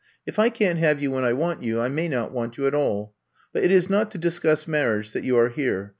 If I can 't have you when I want you, I may not want you at all. But it is not to discuss marriage that you are here.